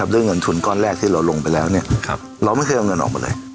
ด้วยเงินทุนก้อนแรกที่เราลงไปแล้วเราไม่เคยเอาเงินออกมาเลย